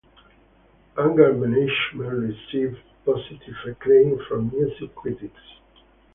Anger Management received positive acclaim from music critics.